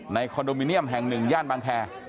คอนโดมิเนียมแห่งหนึ่งย่านบางแคร์